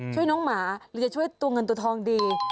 ช่วยน้องหมาหรือจะช่วยตัวเงินตัวทองดี